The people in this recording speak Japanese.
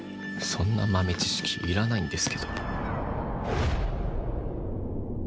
そんな豆知識いらないんですけど。